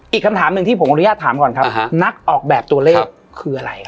อีกคำถามหนึ่งที่ผมอนุญาตถามก่อนครับนักออกแบบตัวเลขคืออะไร